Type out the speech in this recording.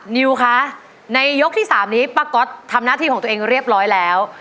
นิวคะในยกที่๓นี้ป้าก๊อตทำหน้าที่ของตัวเองเรียบร้อยแล้ว